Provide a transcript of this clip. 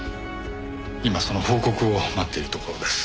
今その報告を待っているところです。